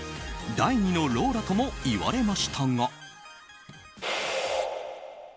第２のローラともいわれましたが。